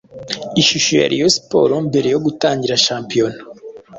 Ishusho ya Rayon Sports mbere yo gutangira shampiyona